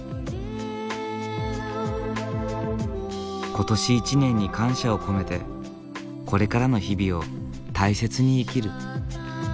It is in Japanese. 今年一年に感謝を込めてこれからの日々を大切に生きる。